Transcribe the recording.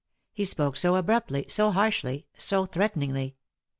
He spoke so abruptly, so harshly, so threaten ingly.